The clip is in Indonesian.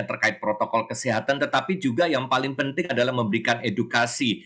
terkait protokol kesehatan tetapi juga yang paling penting adalah memberikan edukasi